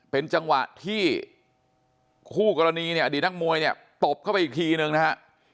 เป็นจังหวะที่คู่กรณีเนี่ยอดีตนักมวยเนี่ยตบเข้าไปอีกทีนึงนะฮะ